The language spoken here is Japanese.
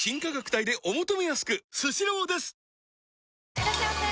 いらっしゃいませ！